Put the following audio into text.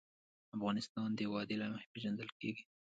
افغانستان د وادي له مخې پېژندل کېږي.